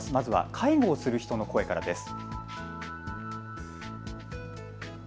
まずは介護をする人の声からです。